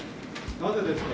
なぜですか。